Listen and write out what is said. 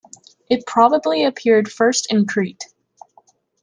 It probably appeared first in Crete.